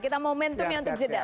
kita momentumnya untuk jeda